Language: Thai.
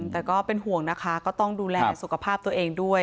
แต่ก็เป็นห่วงนะคะก็ต้องดูแลสุขภาพตัวเองด้วย